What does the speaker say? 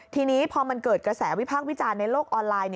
ทีนี้พอมันเกิดกระแสวิพากษ์วิจารณ์ในโลกออนไลน์